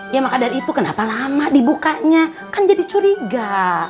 ya makadar itu kenapa lama dibukanya kan jadi curiga